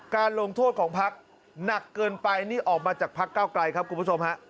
การลงโทษของพักหนักเกินไปนี่ออกมาจากพักเก้าไกลครับคุณผู้ชมฮะ